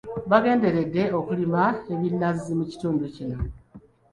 Bagenderedde okulima ebinazi mu kitundu kino.